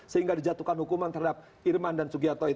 sehingga dijatuhkan hukuman terhadap irman dan sugianto